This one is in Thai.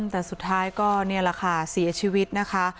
แต่สุดท้ายก็นี่แหละค่ะเสียชีวิตนะคะ